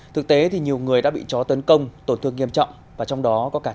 thực tế thì nhiều người đã bị chó tấn công tổn thương nghiêm trọng và trong đó có cả trẻ